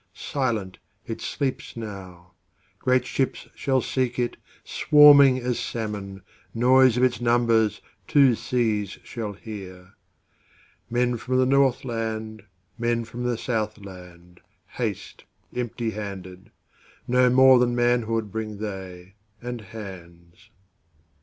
Silent it sleeps now; Great ships shall seek it, Swarming as salmon; Noise of its numbersTwo seas shall hear. Man from the Northland, Man from the Southland, Haste empty handed; No more than manhoodBring they, and hands.